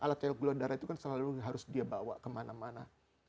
alat yang gula darah itu kan selalu harus dia bawa kemana mana